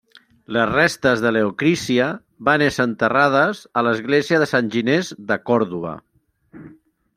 Les restes de Leocrícia van ésser enterrades a l'església de San Ginés de Còrdova.